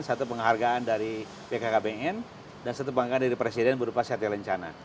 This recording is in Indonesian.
satu penghargaan dari bkkbn dan satu bangga dari presiden berupa sert rencana